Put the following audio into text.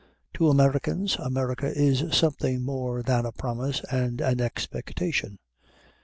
To Americans America is something more than a promise and an expectation.